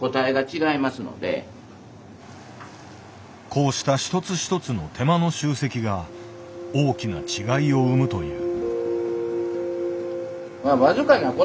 こうした一つ一つの手間の集積が大きな違いを生むという。